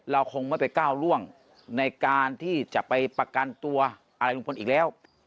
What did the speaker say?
เราคงไม่ไปก้าวร่วงในการที่จะไปประกันตัวอะไรลุงพลอีกแล้ว